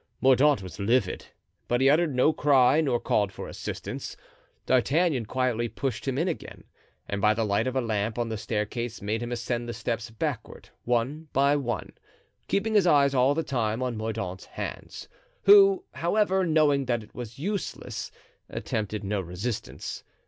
Mordaunt was livid, but he uttered no cry nor called for assistance. D'Artagnan quietly pushed him in again, and by the light of a lamp on the staircase made him ascend the steps backward one by one, keeping his eyes all the time on Mordaunt's hands, who, however, knowing that it was useless, attempted no resistance.